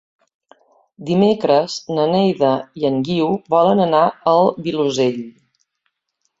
Dimecres na Neida i en Guiu volen anar al Vilosell.